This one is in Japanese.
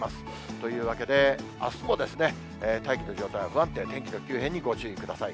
というわけで、あすも大気の状態は不安定、天気の急変にご注意ください。